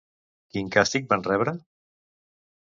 Quin càstig van rebre?